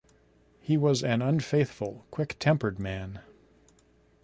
He was an unfaithful, quick-tempered man.